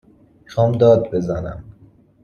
می خوام داد بزنم